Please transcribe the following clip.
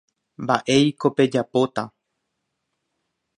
Mba'éiko pejapóta.